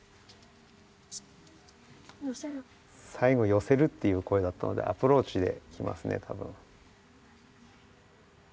さいごよせるっていう声だったのでアプローチできますね多分。